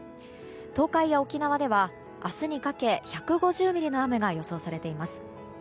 東海や沖縄では明日にかけ１５０ミリの雨が予想されています。